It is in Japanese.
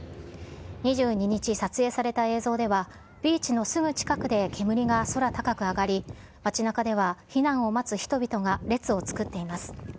２２日、撮影された映像ではビーチのすぐ近くで煙が空高く上がり、町なかでは避難を待つ人々が列を作っています。